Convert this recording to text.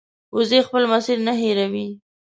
وزې خپل مسیر نه هېروي